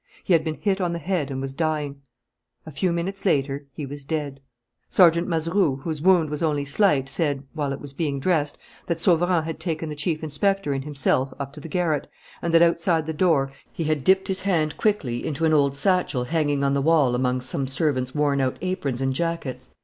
He had been hit on the head and was dying. A few minutes later he was dead. Sergeant Mazeroux, whose wound was only slight, said, while it was being dressed, that Sauverand had taken the chief inspector and himself up to the garret, and that, outside the door, he had dipped his hand quickly into an old satchel hanging on the wall among some servants' wornout aprons and jackets.